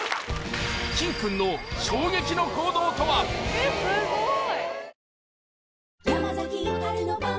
・えっすごい！